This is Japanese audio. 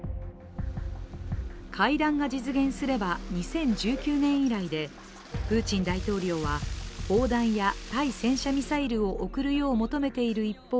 会談が実現すれば２０１９年以来でプーチン大統領は、砲弾や対戦車ミサイルを送るよう求めている一方